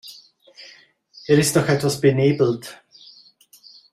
Er ist noch etwas benebelt.